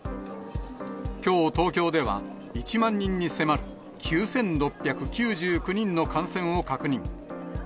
きょう東京では、１万人に迫る９６９９人の感染を確認。